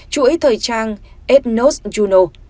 chuỗi thời trang ednos juno